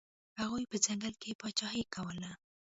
هغوی په ځنګل کې پاچاهي کوله.